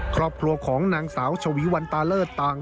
ครอบครัวของนางสาวชวีวันตาเลิศต่าง